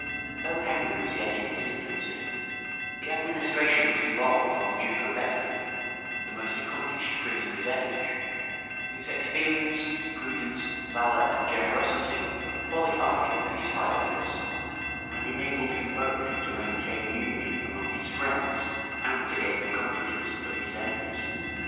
Though Henry was yet in his infancy, the administration was devolved on the duke of Bedford, the most accomplished prince of his age; whose experience, prudence, valor, and generosity qualified him for his high office, and enabled him both to maintain union among his friends, and to gain the confidence of his enemies.